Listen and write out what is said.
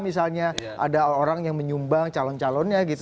misalnya ada orang yang menyumbang calon calonnya gitu